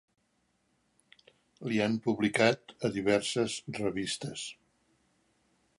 Li han publicat a diverses revistes.